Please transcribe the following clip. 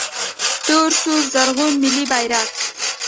🇦🇫 تور سور زرغون ملي بیرغ